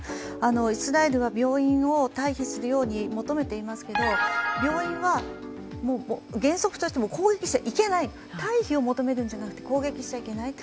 イスラエルは病院を退避するように求めていますけど病院は原則として、攻撃しちゃいけない、退避を求めるんじゃなくて攻撃しちゃいけない